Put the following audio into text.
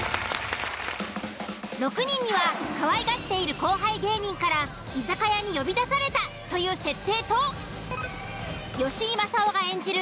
６人にはかわいがっている後輩芸人から居酒屋に呼び出されたという設定と好井まさおが演じる